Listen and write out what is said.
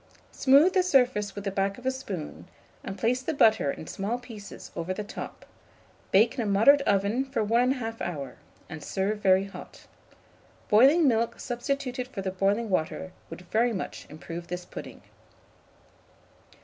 Smooth the surface with the back of a spoon, and place the butter in small pieces over the top; bake in a moderate oven for 1 1/2 hour, and serve very hot. Boiling milk substituted for the boiling water would very much improve this pudding.